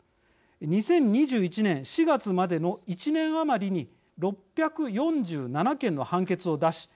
２０２１年４月までの１年余りに６４７件の判決を出し